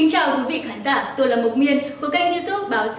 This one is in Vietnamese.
hãy đăng ký kênh để ủng hộ kênh của chúng mình nhé